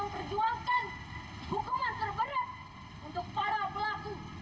memperjuangkan hukuman terberat untuk para pelaku